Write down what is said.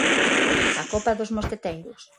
A copa dos mosqueteiros.